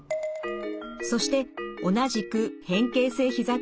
そして同じく変形性ひざ